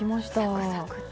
サクサクと。